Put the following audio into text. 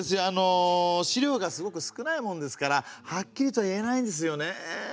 あの資料がすごく少ないもんですからはっきりと言えないんですよねえ。